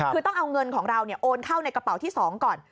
คือต้องเอาเงินของเราโอนเข้าในกระเป๋าที่๒ก่อน